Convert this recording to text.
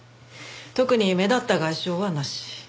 特に目立った外傷はなし。